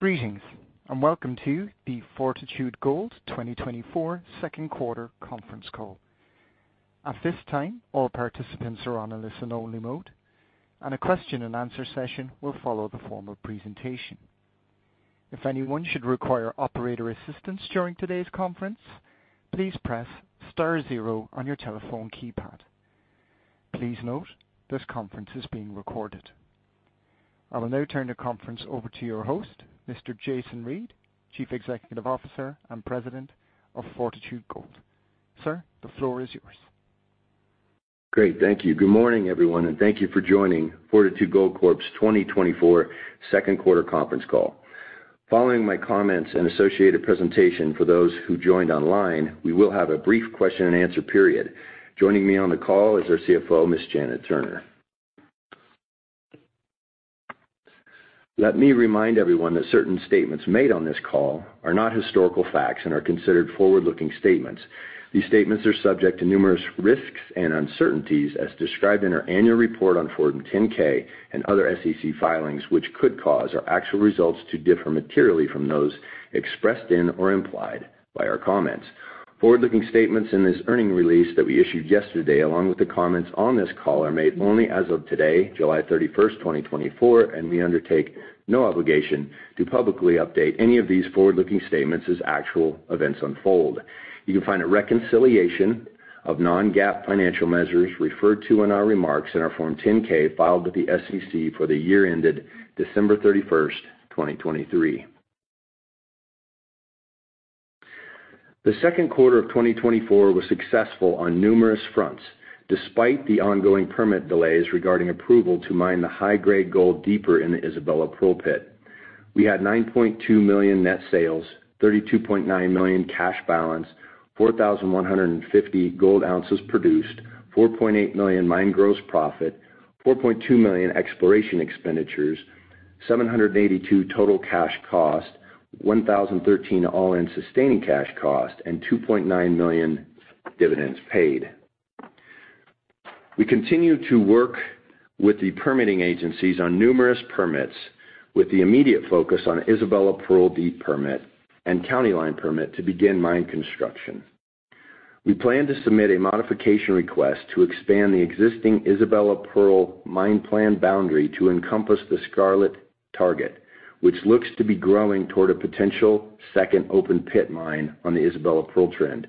Greetings, and welcome to the Fortitude Gold 2024 Second Quarter Conference Call. At this time, all participants are on a listen-only mode, and a question-and-answer session will follow the form of presentation. If anyone should require operator assistance during today's conference, please press star zero on your telephone keypad. Please note this conference is being recorded. I will now turn the conference over to your host, Mr. Jason Reid, Chief Executive Officer and President of Fortitude Gold. Sir, the floor is yours. Great, thank you. Good morning, everyone, and thank you for joining Fortitude Gold Corp's 2024 Second Quarter Conference Call. Following my comments and associated presentation for those who joined online, we will have a brief question-and-answer period. Joining me on the call is our CFO, Ms. Janet Turner. Let me remind everyone that certain statements made on this call are not historical facts and are considered forward-looking statements. These statements are subject to numerous risks and uncertainties, as described in our annual report on Form 10-K and other SEC filings, which could cause our actual results to differ materially from those expressed in or implied by our comments. Forward-looking statements in this earnings release that we issued yesterday, along with the comments on this call, are made only as of today, July 31st, 2024, and we undertake no obligation to publicly update any of these forward-looking statements as actual events unfold. You can find a reconciliation of non-GAAP financial measures referred to in our remarks in our Form 10-K filed with the SEC for the year ended December 31st, 2023. The second quarter of 2024 was successful on numerous fronts, despite the ongoing permit delays regarding approval to mine the high-grade gold deeper in the Isabella Pearl Pit. We had $9.2 million net sales, $32.9 million cash balance, 4,150 gold ounces produced, $4.8 million mine gross profit, $4.2 million exploration expenditures, $782 total cash cost, $1,013 all-in sustaining cash cost, and $2.9 million dividends paid. We continue to work with the permitting agencies on numerous permits, with the immediate focus on Isabella Pearl Deep permit and County Line permit to begin mine construction. We plan to submit a modification request to expand the existing Isabella Pearl mine plan boundary to encompass the Scarlet target, which looks to be growing toward a potential second open pit mine on the Isabella Pearl trend.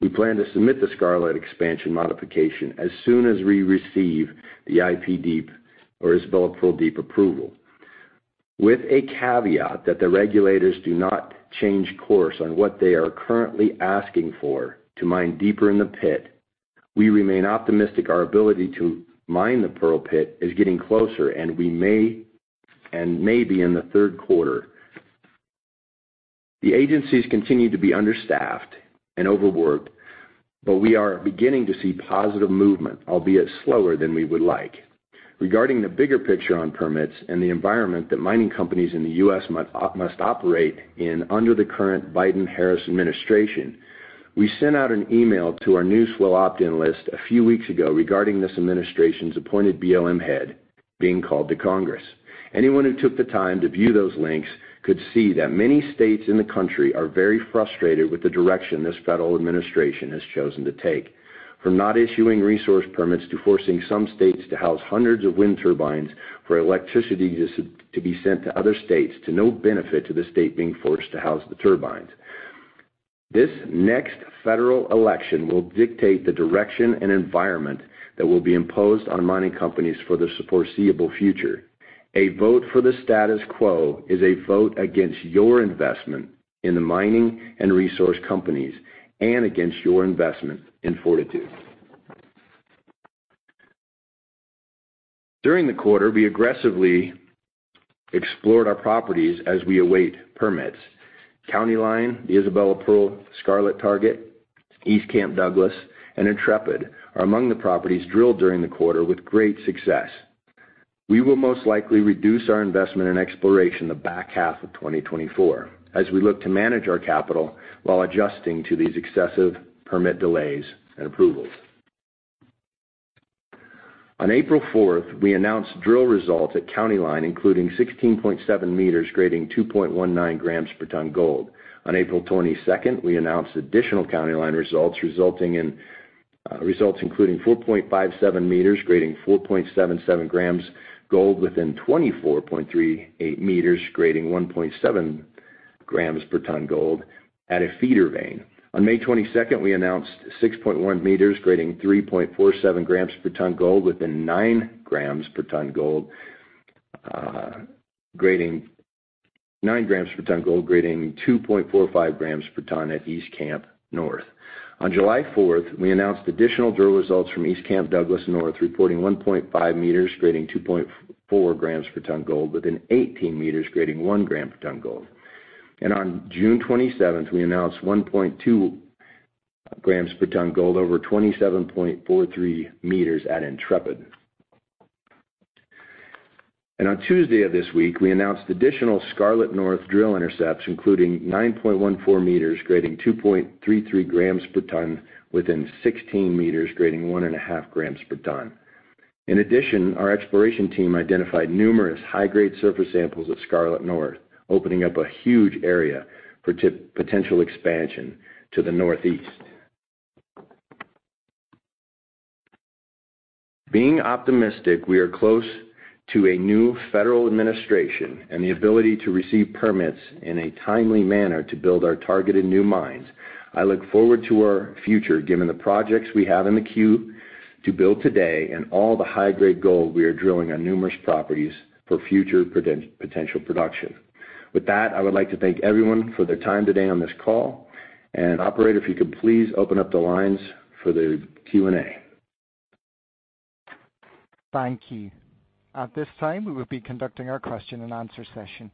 We plan to submit the Scarlet expansion modification as soon as we receive the IP Deep or Isabella Pearl Deep approval, with a caveat that the regulators do not change course on what they are currently asking for to mine deeper in the pit. We remain optimistic our ability to mine the Pearl pit is getting closer, and we may be in the third quarter. The agencies continue to be understaffed and overworked, but we are beginning to see positive movement, albeit slower than we would like. Regarding the bigger picture on permits and the environment that mining companies in the U.S. must operate in under the current Biden-Harris administration, we sent out an email to our newswell opt-in list a few weeks ago regarding this administration's appointed BLM head being called to Congress. Anyone who took the time to view those links could see that many states in the country are very frustrated with the direction this federal administration has chosen to take, from not issuing resource permits to forcing some states to house hundreds of wind turbines for electricity to be sent to other states, to no benefit to the state being forced to house the turbines. This next federal election will dictate the direction and environment that will be imposed on mining companies for the foreseeable future. A vote for the status quo is a vote against your investment in the mining and resource companies and against your investment in Fortitude. During the quarter, we aggressively explored our properties as we await permits. County Line, the Isabella Pearl, Scarlet Target, East Camp Douglas, and Intrepid are among the properties drilled during the quarter with great success. We will most likely reduce our investment in exploration the back half of 2024 as we look to manage our capital while adjusting to these excessive permit delays and approvals. On April 4th, we announced drill results at County Line, including 16.7 m grading 2.19 g per ton gold. On April 22nd, we announced additional County Line results, resulting in results including 4.57 m grading 4.77 g gold within 24.38 m grading 1.7 g per ton gold at a feeder vein. On May 22nd, we announced 6.1 m grading 3.47 g per ton gold within 9 g per ton gold grading 9 g per ton gold grading 2.45 g per ton at East Camp North. On July 4th, we announced additional drill results from East Camp Douglas North, reporting 1.5 m grading 2.4 g per ton gold within 18 m grading 1 gram per ton gold. On June 27th, we announced 1.2 g per ton gold over 27.43 m at Intrepid. On Tuesday of this week, we announced additional Scarlet North drill intercepts, including 9.14 m grading 2.33 g per ton within 16 m grading 1.5 g per ton. In addition, our exploration team identified numerous high-grade surface samples of Scarlet North, opening up a huge area for potential expansion to the northeast. Being optimistic, we are close to a new federal administration and the ability to receive permits in a timely manner to build our targeted new mines. I look forward to our future, given the projects we have in the queue to build today and all the high-grade gold we are drilling on numerous properties for future potential production. With that, I would like to thank everyone for their time today on this call. And operator, if you could please open up the lines for the Q&A. Thank you. At this time, we will be conducting our question-and-answer session.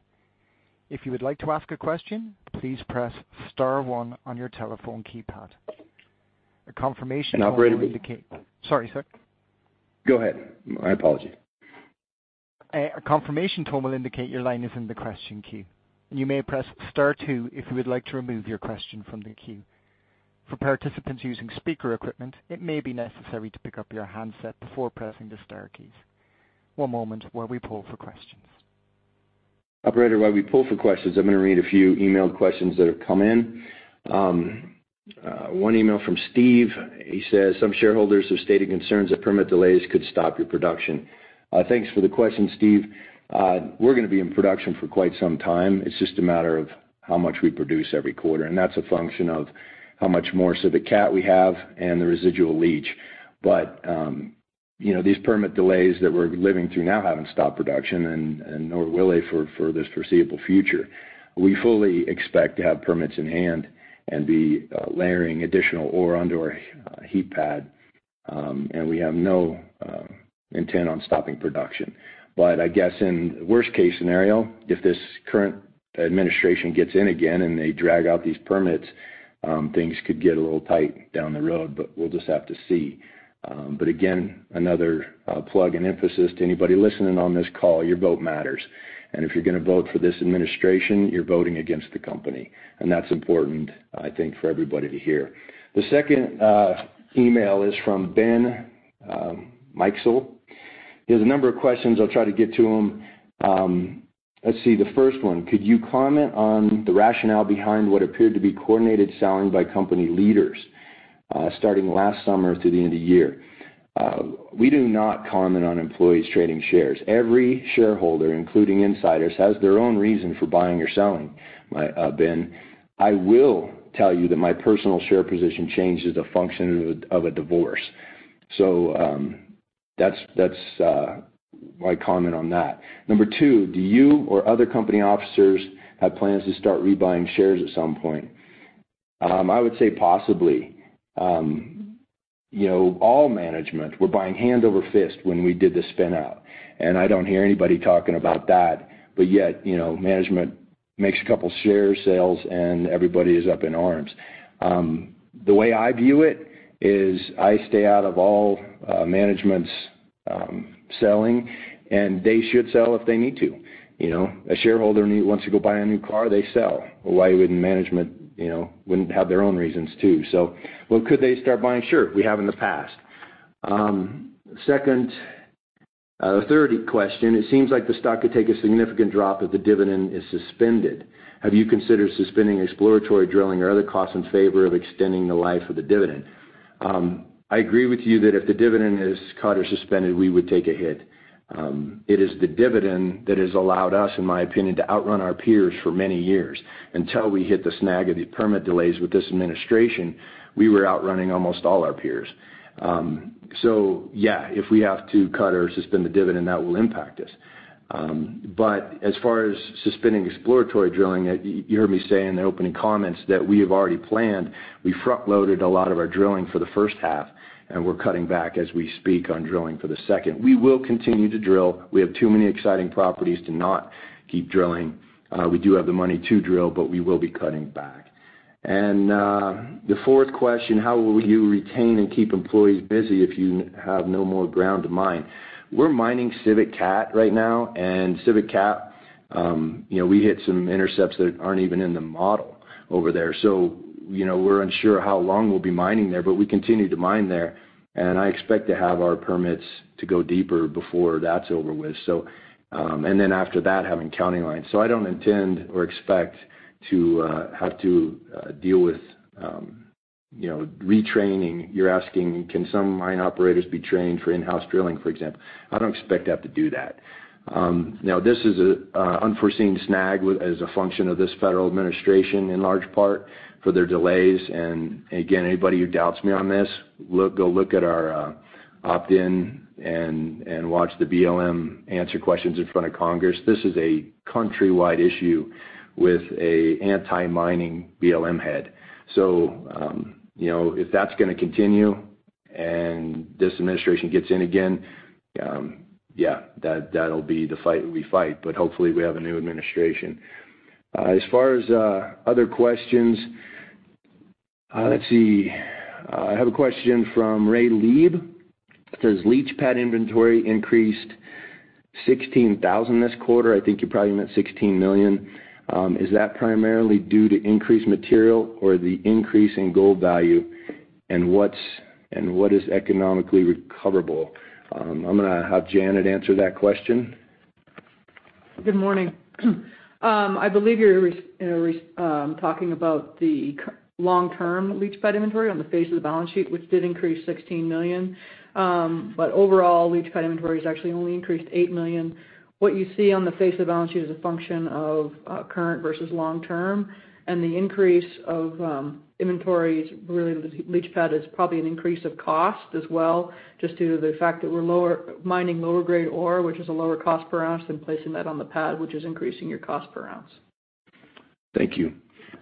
If you would like to ask a question, please press star one on your telephone keypad. A confirmation tone. And operator. Will indicate, sorry, sir. Go ahead. My apologies. A confirmation tone will indicate your line is in the question queue. You may press star two if you would like to remove your question from the queue. For participants using speaker equipment, it may be necessary to pick up your handset before pressing the star keys. One moment while we pull for questions. Operator, while we pull for questions, I'm going to read a few emailed questions that have come in. One email from Steve. He says, "Some shareholders have stated concerns that permit delays could stop your production." Thanks for the question, Steve. We're going to be in production for quite some time. It's just a matter of how much we produce every quarter, and that's a function of how much more Civic Cat we have and the residual leach. But these permit delays that we're living through now haven't stopped production, nor will they for the foreseeable future. We fully expect to have permits in hand and be layering additional ore onto our heap pad, and we have no intent on stopping production. But I guess in the worst-case scenario, if this current administration gets in again and they drag out these permits, things could get a little tight down the road, but we'll just have to see. But again, another plug and emphasis to anybody listening on this call, your vote matters. And if you're going to vote for this administration, you're voting against the company. And that's important, I think, for everybody to hear. The second email is from Ben Mikesel. He has a number of questions. I'll try to get to them. Let's see. The first one, "Could you comment on the rationale behind what appeared to be coordinated selling by company leaders starting last summer through the end of the year?" We do not comment on employees trading shares. Every shareholder, including insiders, has their own reason for buying or selling, Ben. I will tell you that my personal share position changed as a function of a divorce. So that's my comment on that. Number two, "Do you or other company officers have plans to start rebuying shares at some point?" I would say possibly. All management, we're buying hand over fist when we did the spin-out. And I don't hear anybody talking about that, but yet management makes a couple of share sales, and everybody is up in arms. The way I view it is I stay out of all management's selling, and they should sell if they need to. A shareholder wants to go buy a new car, they sell. Why wouldn't management have their own reasons too? So could they start buying share? We have in the past. A third question, "It seems like the stock could take a significant drop if the dividend is suspended. Have you considered suspending exploratory drilling or other costs in favor of extending the life of the dividend?" I agree with you that if the dividend is cut or suspended, we would take a hit. It is the dividend that has allowed us, in my opinion, to outrun our peers for many years. Until we hit the snag of these permit delays with this administration, we were outrunning almost all our peers. So yeah, if we have to cut or suspend the dividend, that will impact us. But as far as suspending exploratory drilling, you heard me say in the opening comments that we have already planned. We front-loaded a lot of our drilling for the first half, and we're cutting back as we speak on drilling for the second. We will continue to drill. We have too many exciting properties to not keep drilling. We do have the money to drill, but we will be cutting back. The fourth question, "How will you retain and keep employees busy if you have no more ground to mine?" We're mining Civic Cat right now, and Civic Cat, we hit some intercepts that aren't even in the model over there. So we're unsure how long we'll be mining there, but we continue to mine there. I expect to have our permits to go deeper before that's over with. Then after that, having County Line. I don't intend or expect to have to deal with retraining. You're asking, "Can some mine operators be trained for in-house drilling, for example?" I don't expect to have to do that. Now, this is an unforeseen snag as a function of this federal administration in large part for their delays. Again, anybody who doubts me on this, go look at our opt-in and watch the BLM answer questions in front of Congress. This is a countrywide issue with an anti-mining BLM head. So if that's going to continue and this administration gets in again, yeah, that'll be the fight we fight, but hopefully we have a new administration. As far as other questions, let's see. I have a question from Ray Leeb. It says, "Leach pad inventory increased 16,000 this quarter. I think you probably meant 16 million. Is that primarily due to increased material or the increase in gold value, and what is economically recoverable?" I'm going to have Janet answer that question. Good morning. I believe you're talking about the long-term leach pad inventory on the face of the balance sheet, which did increase $16 million. But overall, leach pad inventory has actually only increased $8 million. What you see on the face of the balance sheet is a function of current versus long-term. And the increase of inventories related to leach pad is probably an increase of cost as well, just due to the fact that we're mining lower-grade ore, which is a lower cost per ounce, and placing that on the pad, which is increasing your cost per ounce. Thank you.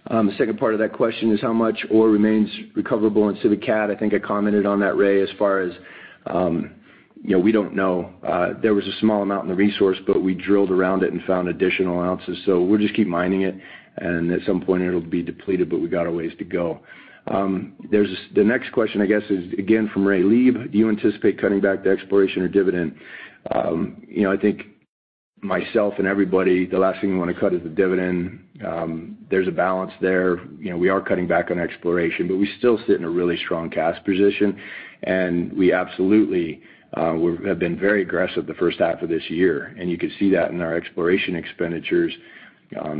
The second part of that question is, "How much ore remains recoverable in Civic Cat?" I think I commented on that, Ray, as far as we don't know. There was a small amount in the resource, but we drilled around it and found additional ounces. So we'll just keep mining it, and at some point, it'll be depleted, but we got our ways to go. The next question, I guess, is again from Ray Leeb. "Do you anticipate cutting back the exploration or dividend?" I think myself and everybody, the last thing you want to cut is the dividend. There's a balance there. We are cutting back on exploration, but we still sit in a really strong cash position, and we absolutely have been very aggressive the first half of this year. You can see that in our exploration expenditures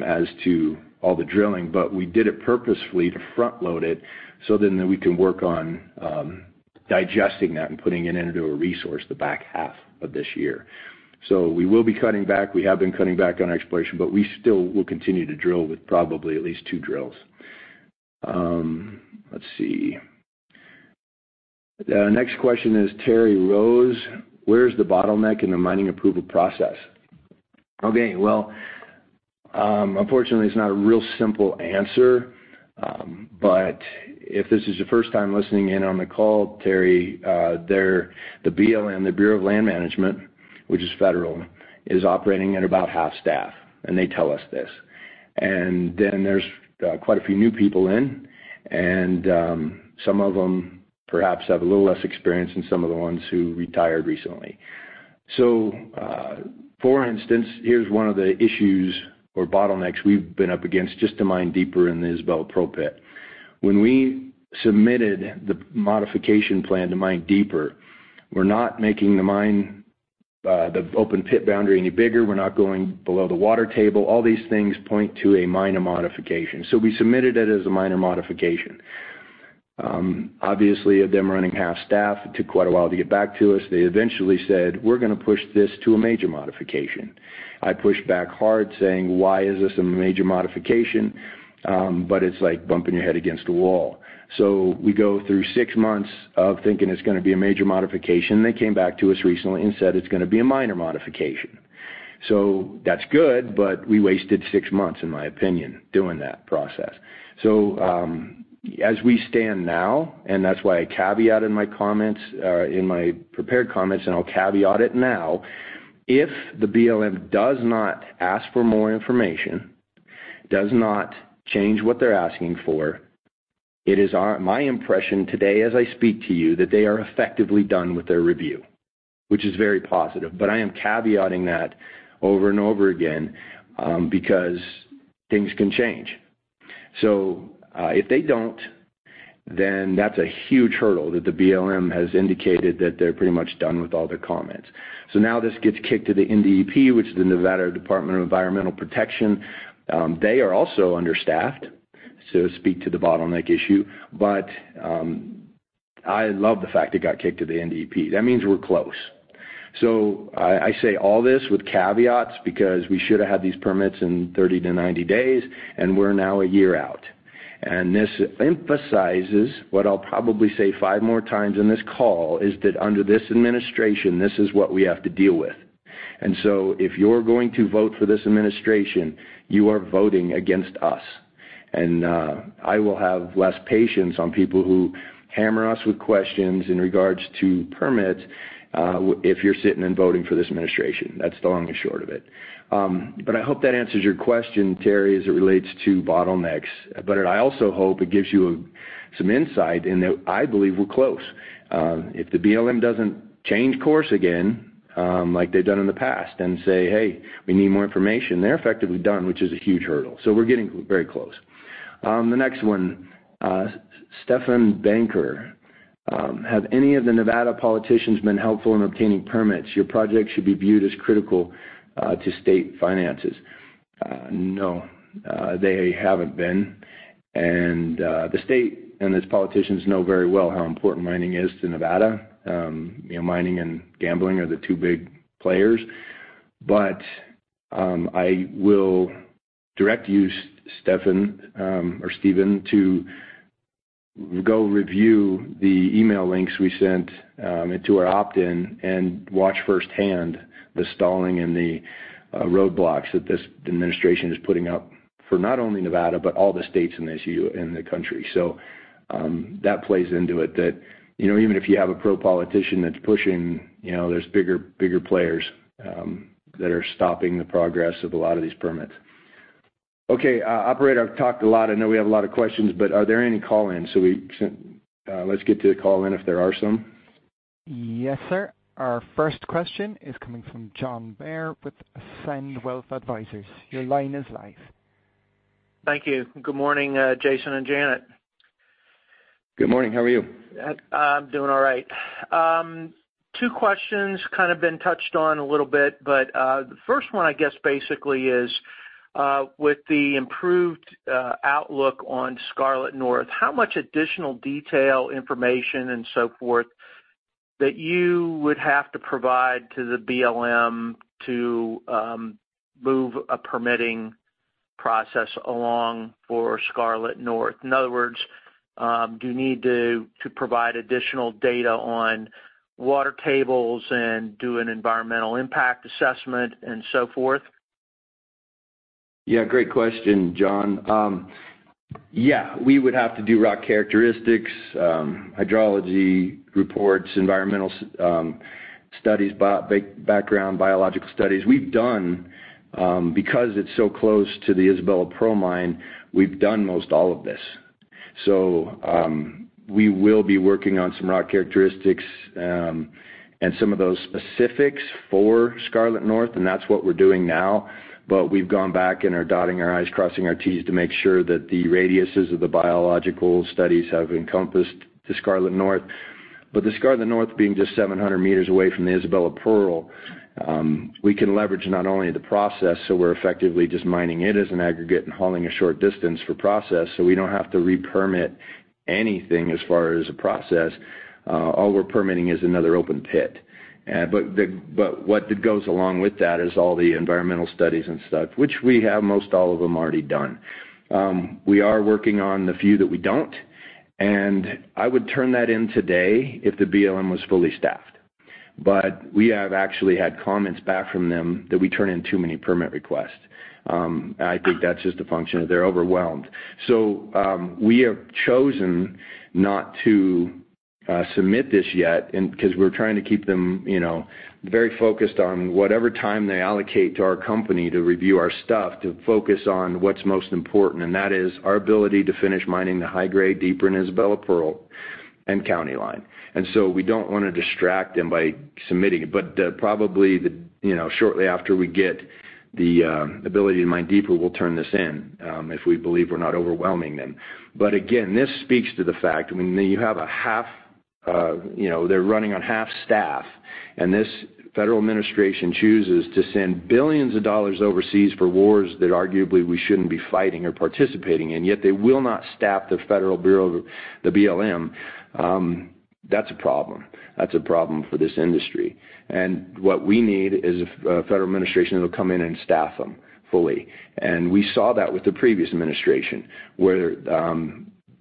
as to all the drilling, but we did it purposefully to front-load it so then we can work on digesting that and putting it into a resource the back half of this year. We will be cutting back. We have been cutting back on exploration, but we still will continue to drill with probably at least two drills. Let's see. The next question is Terry Rose. "Where's the bottleneck in the mining approval process?" Okay. Well, unfortunately, it's not a real simple answer. If this is your first time listening in on the call, Terry, the BLM, the Bureau of Land Management, which is federal, is operating at about half staff, and they tell us this. And then there's quite a few new people in, and some of them perhaps have a little less experience than some of the ones who retired recently. So for instance, here's one of the issues or bottlenecks we've been up against just to mine deeper in the Isabella Pearl Pit. When we submitted the modification plan to mine deeper, we're not making the open pit boundary any bigger. We're not going below the water table. All these things point to a minor modification. So we submitted it as a minor modification. Obviously, of them running half staff, it took quite a while to get back to us. They eventually said, "We're going to push this to a major modification." I pushed back hard saying, "Why is this a major modification?" But it's like bumping your head against a wall. We go through six months of thinking it's going to be a major modification. They came back to us recently and said, "It's going to be a minor modification." That's good, but we wasted six months, in my opinion, doing that process. As we stand now, and that's why I caveated my comments in my prepared comments, and I'll caveat it now. If the BLM does not ask for more information, does not change what they're asking for, it is my impression today as I speak to you that they are effectively done with their review, which is very positive. But I am caveating that over and over again because things can change. If they don't, then that's a huge hurdle that the BLM has indicated that they're pretty much done with all their comments. Now this gets kicked to the NDEP, which is the Nevada Department of Environmental Protection. They are also understaffed to speak to the bottleneck issue. I love the fact it got kicked to the NDEP. That means we're close. I say all this with caveats because we should have had these permits in 30-90 days, and we're now a year out. This emphasizes what I'll probably say five more times in this call is that under this administration, this is what we have to deal with. So if you're going to vote for this administration, you are voting against us. I will have less patience on people who hammer us with questions in regards to permits if you're sitting and voting for this administration. That's the long and short of it. But I hope that answers your question, Terry, as it relates to bottlenecks. But I also hope it gives you some insight in that I believe we're close. If the BLM doesn't change course again, like they've done in the past, and say, "Hey, we need more information," they're effectively done, which is a huge hurdle. So we're getting very close. The next one, Stefan Banker. "Have any of the Nevada politicians been helpful in obtaining permits? Your project should be viewed as critical to state finances." No. They haven't been. And the state and its politicians know very well how important mining is to Nevada. Mining and gambling are the two big players. But I will direct you, Stefan or Steven, to go review the email links we sent to our opt-in and watch firsthand the stalling and the roadblocks that this administration is putting up for not only Nevada, but all the states in the country. So that plays into it that even if you have a pro-politician that's pushing, there's bigger players that are stopping the progress of a lot of these permits. Okay. Operator, I've talked a lot. I know we have a lot of questions, but are there any call-ins? So let's get to the call-in if there are some. Yes, sir. Our first question is coming from John Bair with Ascend Wealth Advisors. Your line is live. Thank you. Good morning, Jason and Janet. Good morning. How are you? I'm doing all right. Two questions kind of been touched on a little bit, but the first one, I guess, basically is with the improved outlook on Scarlet North, how much additional detail, information, and so forth that you would have to provide to the BLM to move a permitting process along for Scarlet North? In other words, do you need to provide additional data on water tables and do an environmental impact assessment and so forth? Yeah. Great question, John. Yeah. We would have to do rock characteristics, hydrology reports, environmental studies, background biological studies. Because it's so close to the Isabella Pearl Mine, we've done most all of this. So we will be working on some rock characteristics and some of those specifics for Scarlet North, and that's what we're doing now. But we've gone back and are dotting our i's, crossing our t's to make sure that the radiuses of the biological studies have encompassed the Scarlet North. But the Scarlet North being just 700 m away from the Isabella Pearl, we can leverage not only the process, so we're effectively just mining it as an aggregate and hauling a short distance for process. So we don't have to re-permit anything as far as a process. All we're permitting is another open pit. But what goes along with that is all the environmental studies and stuff, which we have most all of them already done. We are working on the few that we don't. I would turn that in today if the BLM was fully staffed. But we have actually had comments back from them that we turn in too many permit requests. I think that's just a function of they're overwhelmed. We have chosen not to submit this yet because we're trying to keep them very focused on whatever time they allocate to our company to review our stuff to focus on what's most important. That is our ability to finish mining the high-grade deeper in Isabella Pearl and County Line. So we don't want to distract them by submitting it. But probably shortly after we get the ability to mine deeper, we'll turn this in if we believe we're not overwhelming them. But again, this speaks to the fact when you have a half they're running on half staff, and this federal administration chooses to send billions of dollars overseas for wars that arguably we shouldn't be fighting or participating in, yet they will not staff the federal bureau, the BLM. That's a problem. That's a problem for this industry. And what we need is a federal administration that'll come in and staff them fully. And we saw that with the previous administration where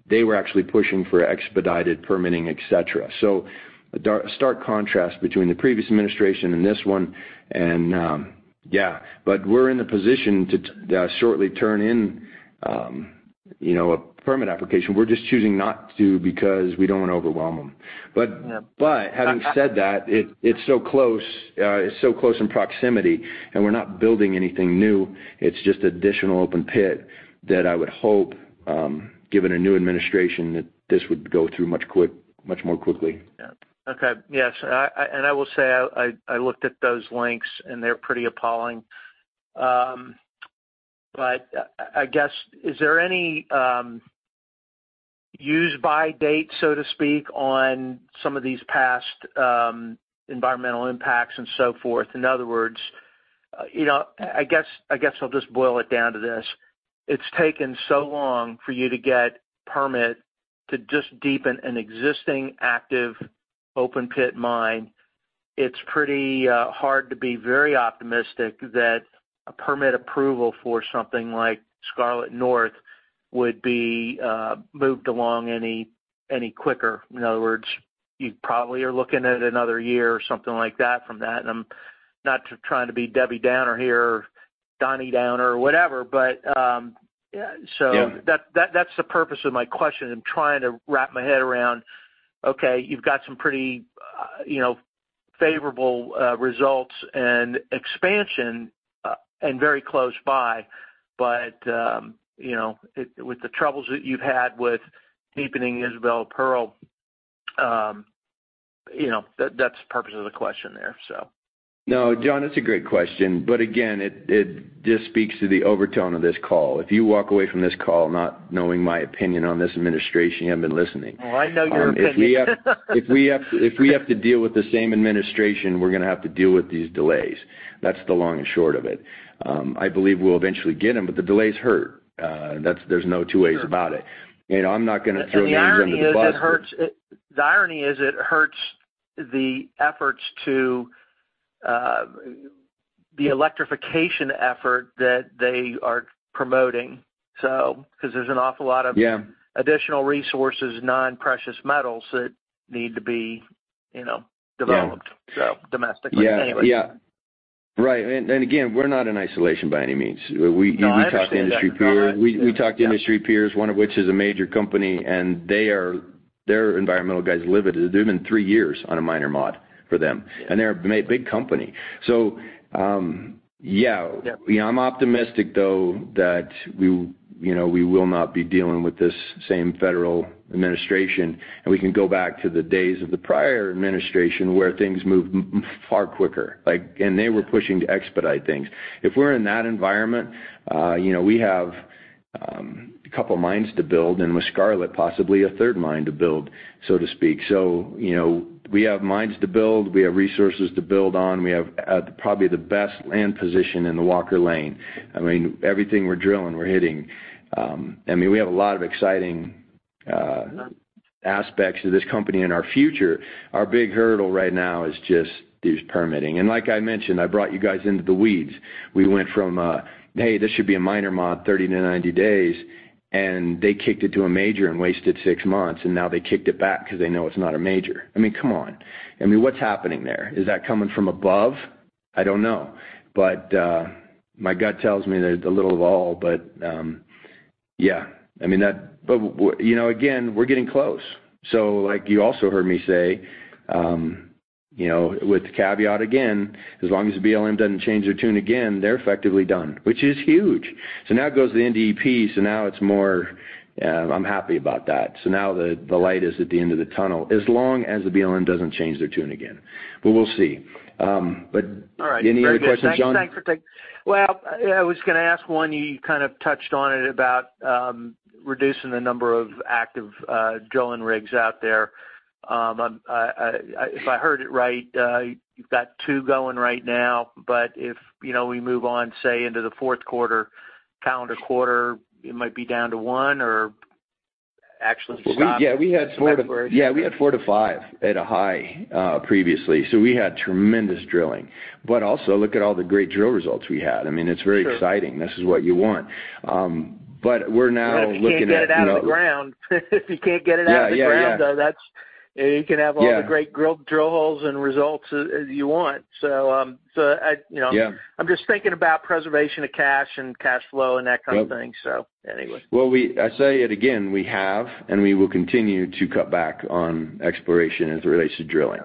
they were actually pushing for expedited permitting, etc. So a stark contrast between the previous administration and this one. And yeah. But we're in the position to shortly turn in a permit application. We're just choosing not to because we don't want to overwhelm them. But having said that, it's so close. It's so close in proximity, and we're not building anything new. It's just additional open pit that I would hope, given a new administration, that this would go through much more quickly. Yeah. Okay. Yes. And I will say I looked at those links, and they're pretty appalling. But I guess, is there any use-by date, so to speak, on some of these past environmental impacts and so forth? In other words, I guess I'll just boil it down to this. It's taken so long for you to get permit to just deepen an existing active open pit mine. It's pretty hard to be very optimistic that a permit approval for something like Scarlet North would be moved along any quicker. In other words, you probably are looking at another year or something like that from that. And I'm not trying to be Debbie Downer here or Donnie Downer or whatever, but so that's the purpose of my question. I'm trying to wrap my head around, okay, you've got some pretty favorable results and expansion and very close by. With the troubles that you've had with deepening Isabella Pearl, that's the purpose of the question there, so. No, John, that's a great question. But again, it just speaks to the overtone of this call. If you walk away from this call not knowing my opinion on this administration, you haven't been listening. Well, I know your opinion. If we have to deal with the same administration, we're going to have to deal with these delays. That's the long and short of it. I believe we'll eventually get them, but the delays hurt. There's no two ways about it. I'm not going to throw names under the bus. The irony is it hurts the efforts to the electrification effort that they are promoting, because there's an awful lot of additional resources, non-precious metals that need to be developed domestically anyway. Yeah. Yeah. Right. And again, we're not in isolation by any means. We talk to industry peers. We talk to industry peers, one of which is a major company, and their environmental guys live it. They've been 3 years on a minor mod for them. And they're a big company. So yeah. I'm optimistic, though, that we will not be dealing with this same federal administration. And we can go back to the days of the prior administration where things moved far quicker. And they were pushing to expedite things. If we're in that environment, we have a couple of mines to build, and with Scarlet, possibly a third mine to build, so to speak. So we have mines to build. We have resources to build on. We have probably the best land position in the Walker Lane. I mean, everything we're drilling, we're hitting. I mean, we have a lot of exciting aspects of this company in our future. Our big hurdle right now is just this permitting. And like I mentioned, I brought you guys into the weeds. We went from, "Hey, this should be a minor mod, 30-90 days," and they kicked it to a major and wasted six months. And now they kicked it back because they know it's not a major. I mean, come on. I mean, what's happening there? Is that coming from above? I don't know. But my gut tells me that it's a little of all. But yeah. I mean, again, we're getting close. So you also heard me say with the caveat again, as long as the BLM doesn't change their tune again, they're effectively done, which is huge. So now it goes to the NDEP. So now it's more I'm happy about that. Now the light is at the end of the tunnel as long as the BLM doesn't change their tune again. We'll see. Any other questions, John? Well, I was going to ask one. You kind of touched on it about reducing the number of active drilling rigs out there. If I heard it right, you've got two going right now. But if we move on, say, into the fourth quarter, calendar quarter, it might be down to one or actually stop. Yeah. We had 4-5. Yeah. We had 4-5 at a high previously. So we had tremendous drilling. But also, look at all the great drill results we had. I mean, it's very exciting. This is what you want. But we're now looking at. If you can't get it out of the ground. If you can't get it out of the ground, you can have all the great drill holes and results as you want. So I'm just thinking about preservation of cash and cash flow and that kind of thing. So anyway. Well, I say it again. We have, and we will continue to cut back on exploration as it relates to drilling.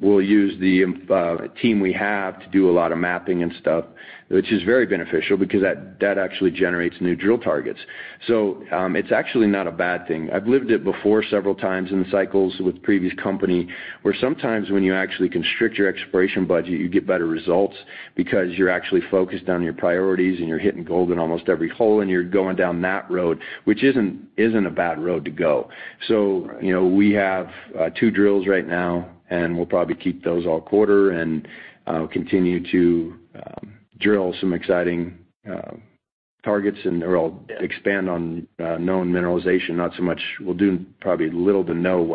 We'll use the team we have to do a lot of mapping and stuff, which is very beneficial because that actually generates new drill targets. So it's actually not a bad thing. I've lived it before several times in the cycles with previous company where sometimes when you actually constrict your exploration budget, you get better results because you're actually focused on your priorities and you're hitting gold in almost every hole, and you're going down that road, which isn't a bad road to go. So we have two drills right now, and we'll probably keep those all quarter and continue to drill some exciting targets and expand on known mineralization, not so much we'll do probably little to no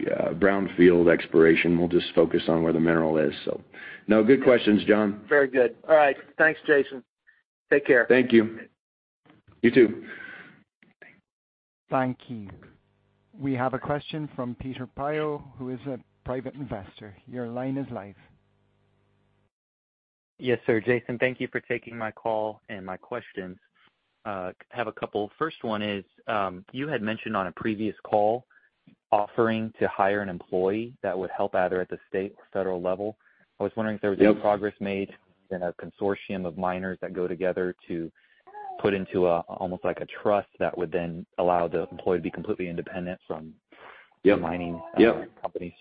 brownfield exploration. We'll just focus on where the mineral is. So, no. Good questions, John. Very good. All right. Thanks, Jason. Take care. Thank you. You too. Thank you. We have a question from Peter Pyle, who is a private investor. Your line is live. Yes, sir. Jason, thank you for taking my call and my questions. I have a couple. First one is you had mentioned on a previous call offering to hire an employee that would help either at the state or federal level. I was wondering if there was any progress made in a consortium of miners that go together to put into almost like a trust that would then allow the employee to be completely independent from mining companies.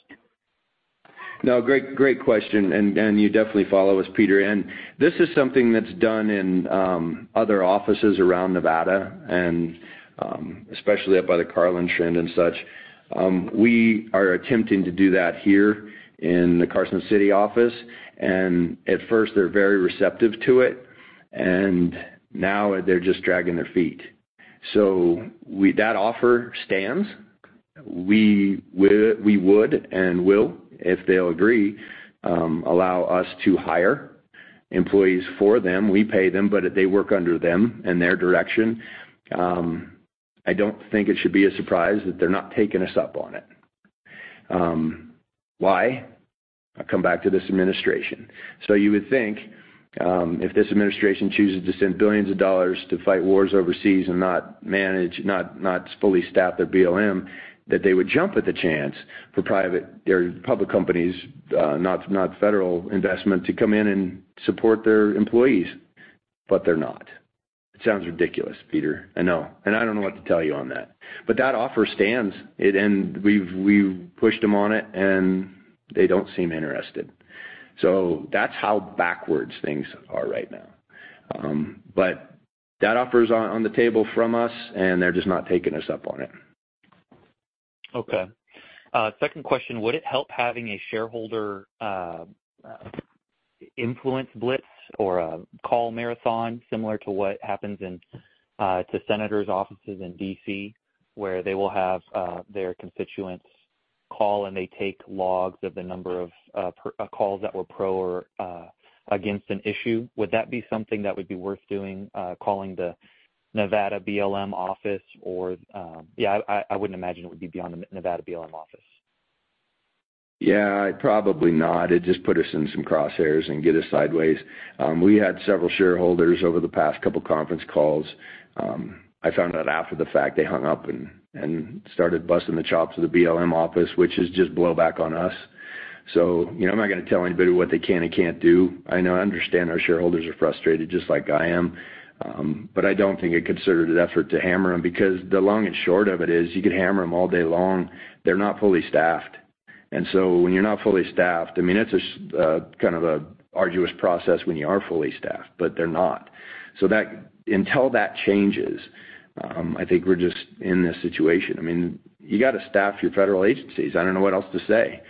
No, great question. You definitely follow us, Peter. This is something that's done in other offices around Nevada, and especially up by the Carlin Trend and such. We are attempting to do that here in the Carson City office. At first, they're very receptive to it. Now they're just dragging their feet. So that offer stands. We would and will, if they'll agree, allow us to hire employees for them. We pay them, but they work under them and their direction. I don't think it should be a surprise that they're not taking us up on it. Why? I'll come back to this administration. So you would think if this administration chooses to send billions of dollars to fight wars overseas and not fully staff their BLM, that they would jump at the chance for private or public companies, not federal investment, to come in and support their employees. But they're not. It sounds ridiculous, Peter. I know. And I don't know what to tell you on that. But that offer stands. And we've pushed them on it, and they don't seem interested. So that's how backwards things are right now. But that offer is on the table from us, and they're just not taking us up on it. Okay. Second question. Would it help having a shareholder influence blitz or a call marathon similar to what happens into senators' offices in D.C. where they will have their constituents call, and they take logs of the number of calls that were pro or against an issue? Would that be something that would be worth doing, calling the Nevada BLM office? Or yeah, I wouldn't imagine it would be beyond the Nevada BLM office. Yeah. Probably not. It just put us in some crosshairs and get us sideways. We had several shareholders over the past couple of conference calls. I found out after the fact they hung up and started busting the chops of the BLM office, which is just blowback on us. So I'm not going to tell anybody what they can and can't do. I understand our shareholders are frustrated just like I am. But I don't think it's considered an effort to hammer them because the long and short of it is you could hammer them all day long. They're not fully staffed. And so when you're not fully staffed, I mean, it's kind of an arduous process when you are fully staffed, but they're not. So until that changes, I think we're just in this situation. I mean, you got to staff your federal agencies. I don't know what else to say.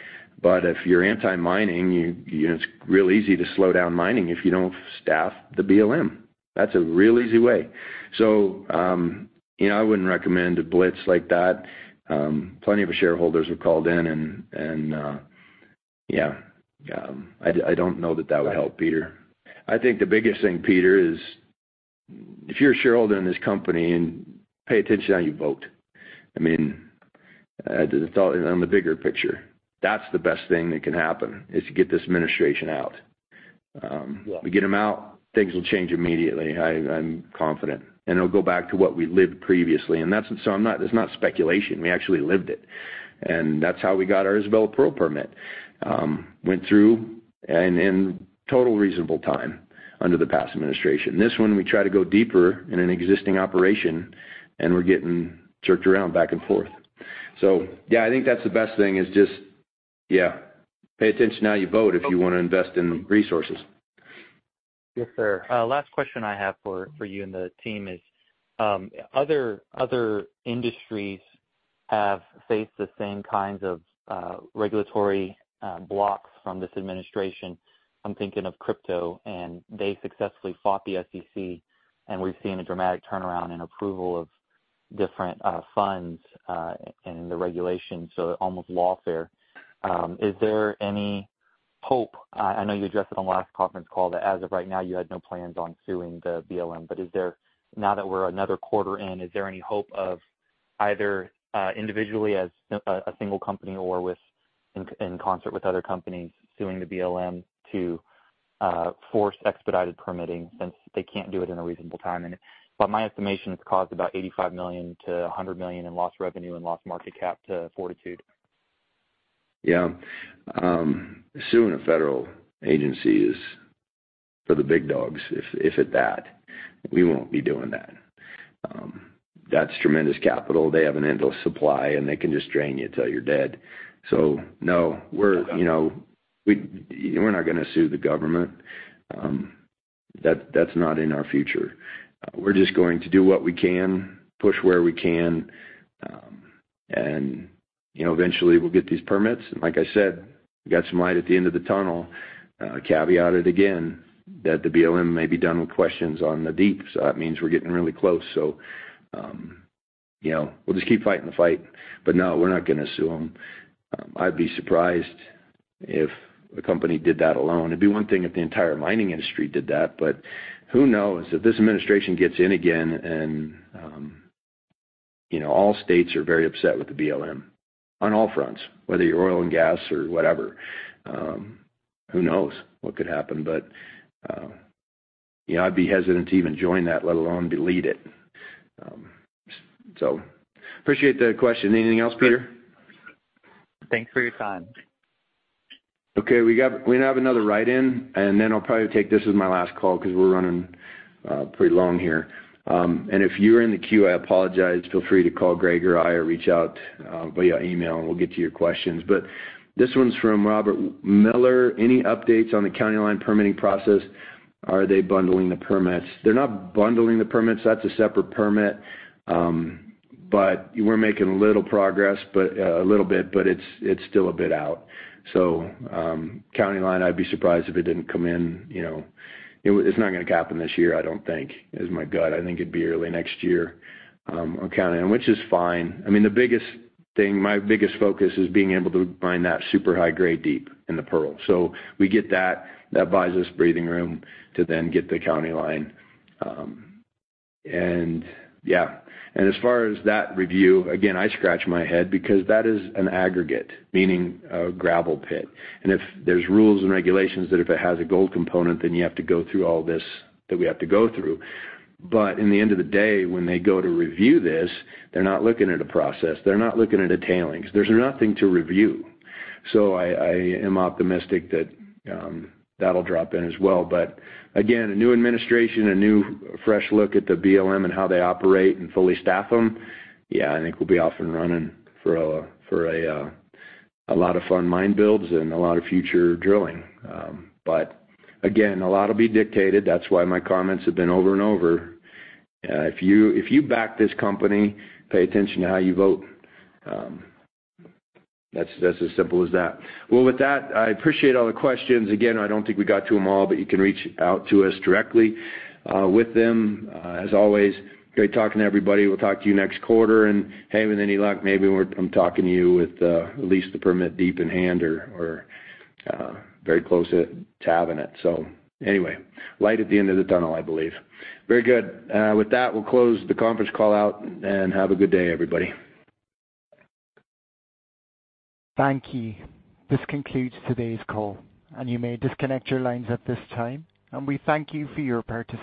But if you're anti-mining, it's real easy to slow down mining if you don't staff the BLM. That's a real easy way. So I wouldn't recommend a blitz like that. Plenty of shareholders have called in. And yeah. I don't know that that would help, Peter. I think the biggest thing, Peter, is if you're a shareholder in this company, pay attention how you vote. I mean, on the bigger picture, that's the best thing that can happen is to get this administration out. We get them out, things will change immediately. I'm confident. And it'll go back to what we lived previously. And so it's not speculation. We actually lived it. And that's how we got our Isabella Pro permit. Went through in total reasonable time under the past administration. This one, we try to go deeper in an existing operation, and we're getting jerked around back and forth. So yeah, I think that's the best thing is just, yeah, pay attention how you vote if you want to invest in resources. Yes, sir. Last question I have for you and the team is other industries have faced the same kinds of regulatory blocks from this administration. I'm thinking of crypto. They successfully fought the SEC. We've seen a dramatic turnaround in approval of different funds and the regulation, so almost lawfare. Is there any hope? I know you addressed it on the last conference call that as of right now, you had no plans on suing the BLM. Now that we're another quarter in, is there any hope of either individually as a single company or in concert with other companies suing the BLM to force expedited permitting since they can't do it in a reasonable time? My estimation has caused about $85 million-$100 million in lost revenue and lost market cap to Fortitude. Yeah. Suing a federal agency is for the big dogs, if at that. We won't be doing that. That's tremendous capital. They have an endless supply, and they can just drain you until you're dead. So no, we're not going to sue the government. That's not in our future. We're just going to do what we can, push where we can. And eventually, we'll get these permits. And like I said, we got some light at the end of the tunnel. Caveat it again that the BLM may be done with questions on the deep. So that means we're getting really close. So we'll just keep fighting the fight. But no, we're not going to sue them. I'd be surprised if a company did that alone. It'd be one thing if the entire mining industry did that. But who knows if this administration gets in again and all states are very upset with the BLM on all fronts, whether you're oil and gas or whatever. Who knows what could happen? But I'd be hesitant to even join that, let alone lead it. So appreciate the question. Anything else, Peter? Thanks for your time. Okay. We have another write-in. Then I'll probably take this as my last call because we're running pretty long here. If you're in the queue, I apologize. Feel free to call Greg or I or reach out via email, and we'll get to your questions. But this one's from Robert Miller. Any updates on the County Line permitting process? Are they bundling the permits? They're not bundling the permits. That's a separate permit. But we're making little progress, but a little bit, but it's still a bit out. So County Line, I'd be surprised if it didn't come in. It's not going to happen this year, I don't think, is my gut. I think it'd be early next year on County, which is fine. I mean, my biggest focus is being able to mine that super high-grade deep in the Pearl. So we get that. That buys us breathing room to then get the county line. Yeah. As far as that review, again, I scratch my head because that is an aggregate, meaning a gravel pit. If there's rules and regulations that if it has a gold component, then you have to go through all this that we have to go through. But in the end of the day, when they go to review this, they're not looking at a process. They're not looking at a tailing because there's nothing to review. So I am optimistic that that'll drop in as well. But again, a new administration, a new fresh look at the BLM and how they operate and fully staff them. Yeah, I think we'll be off and running for a lot of fun mine builds and a lot of future drilling. But again, a lot will be dictated. That's why my comments have been over and over. If you back this company, pay attention to how you vote. That's as simple as that. Well, with that, I appreciate all the questions. Again, I don't think we got to them all, but you can reach out to us directly with them. As always, great talking to everybody. We'll talk to you next quarter. And hey, with any luck, maybe I'm talking to you with at least the permit deep in hand or very close to having it. So anyway, light at the end of the tunnel, I believe. Very good. With that, we'll close the conference call out and have a good day, everybody. Thank you. This concludes today's call. You may disconnect your lines at this time. We thank you for your participation.